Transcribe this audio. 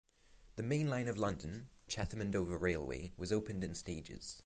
The main line of the London, Chatham and Dover Railway was opened in stages.